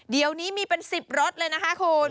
เดี๋ยวนี้มีเป็น๑๐รถเลยนะคะคุณ